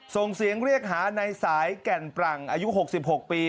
ส่งเสียงเรียกหาในสายแก่นปรังอายุ๖๖ปี